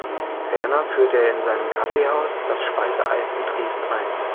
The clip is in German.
Ferner führte er in seinem Kaffeehaus das Speiseeis in Triest ein.